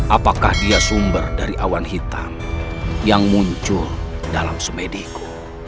apakah dia sumber dari awan hitam yang muncul dalam semediku